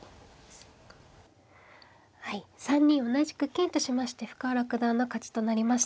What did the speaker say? はい３二同じく金としまして深浦九段の勝ちとなりました。